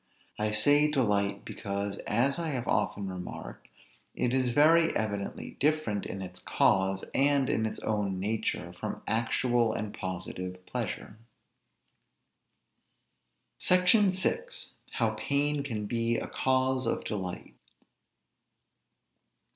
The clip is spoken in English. I say delight, because, as I have often remarked, it is very evidently different in its cause, and in its own nature, from actual and positive pleasure. SECTION VI. HOW PAIN CAN BE A CAUSE OF DELIGHT.